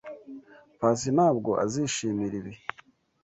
Pacy ntabwo azishimira ibi.